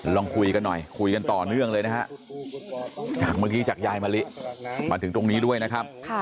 ลองคุยกันหน่อยคุยกันต่อเนื่องเลยนะฮะจากเมื่อกี้จากยายมะลิมาถึงตรงนี้ด้วยนะครับ